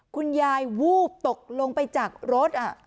คุณยายวูบตกลงไปจากรถ